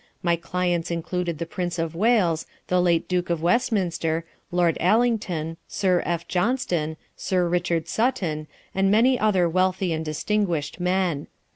My clients included the Prince of Wales, the late Duke of Westminster, Lord Allington, Sir F. Johnston, Sir Richard Sutton, and many other wealthy and distinguished men.